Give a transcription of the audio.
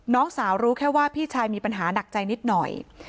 น้องสาวรู้แค่ว่าพี่ชายมีปัญหาหนักใจนิดหน่อย